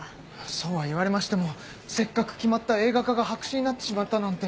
そうは言われましてもせっかく決まった映画化が白紙になってしまったなんて。